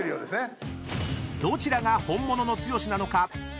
［どちらが本物の剛なのか直接対決！］